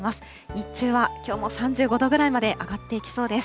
日中はきょうも３５度ぐらいまで上がっていきそうです。